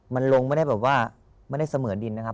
มันลงไม่ได้แบบว่าไม่ได้เสมือนดินนะครับ